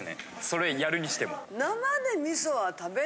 それやるにしても。